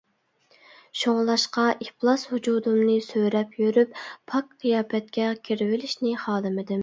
شۇڭلاشقا ئىپلاس ۋۇجۇدۇمنى سۆرەپ يۈرۈپ پاك قىياپەتكە كىرىۋېلىشنى خالىمىدىم.